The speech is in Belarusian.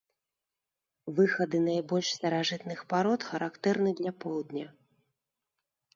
Выхады найбольш старажытных парод характэрны для поўдня.